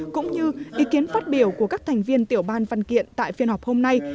cũng như ý kiến phát biểu của các thành viên tiểu ban văn kiện tại phiên họp hôm nay